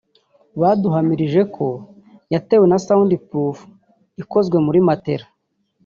baduhamirije ko yatewe na Sound proof ikozwe muri matela